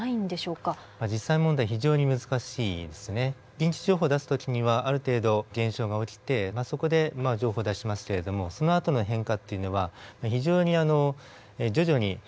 臨時情報を出す時にはある程度現象が起きてそこで情報を出しますけれどもそのあとの変化っていうのは非常に徐々に変化してくると。